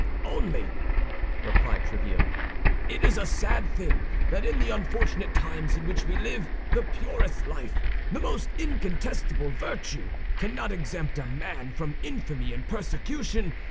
"Only," replied Tréville, "it is a sad thing that in the unfortunate times in which we live, the purest life, the most incontestable virtue, cannot exempt a man from infamy and persecution.